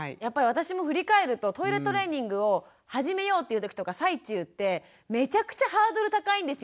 私も振り返るとトイレトレーニングを始めようというときとか最中ってめちゃくちゃハードル高いんですよ